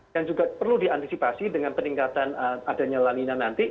yang juga perlu diantisipasi dengan peningkatan adanya lanina nanti